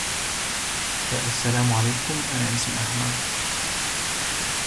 He contributed to the liberation struggle that birthed South Sudan.